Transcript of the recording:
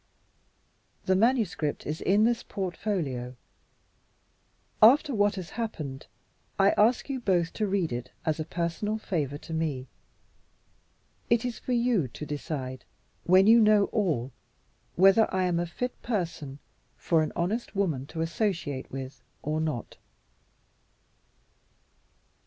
The manuscript is in this portfolio. After what has happened, I ask you both to read it, as a personal favor to me. It is for you to decide, when you know all, whether I am a fit person for an honest woman to associate with or not."